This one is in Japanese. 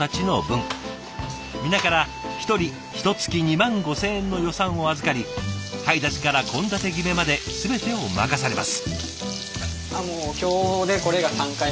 皆から１人ひとつき２万５，０００円の予算を預かり買い出しから献立決めまで全てを任されます。